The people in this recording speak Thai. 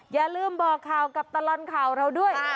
อย่าลืมบอกข่าวกับตลอดข่าวเราด้วย